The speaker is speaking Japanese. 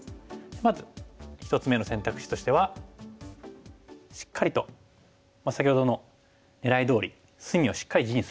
まず１つ目の選択肢としてはしっかりと先ほどのねらいどおり隅をしっかり地にする。